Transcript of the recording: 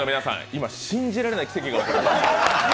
今、信じられない奇跡が起きた。